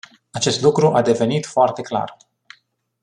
Acest lucru a devenit foarte clar.